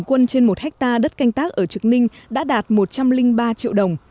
quân trên một hectare đất canh tác ở trực ninh đã đạt một trăm linh ba triệu đồng